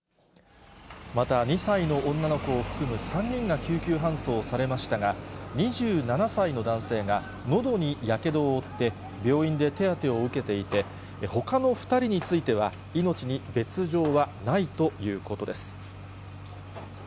また、２歳の女の子を含む３人が救急搬送されましたが、２７歳の男性がのどにやけどを負って、病院で手当てを受けていて、ほかの２人については、命に別状はないということです。